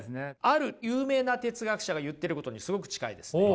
ある有名な哲学者が言ってることにすごく近いですね。